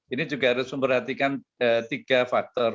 ini juga harus memperhatikan tiga faktor